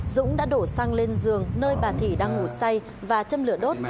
dũng đã đổ xăng lên giường nơi bà thị đang ngủ say và châm lửa đốt